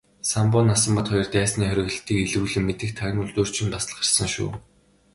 Самбуу Насанбат хоёр дайсны хориглолтыг илрүүлэн мэдэх тагнуулд урьд шөнө бас л гарсан шүү.